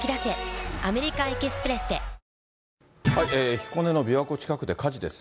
彦根の琵琶湖近くで火事です。